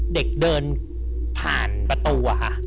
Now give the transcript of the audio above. เด็กเดินผ่านประตู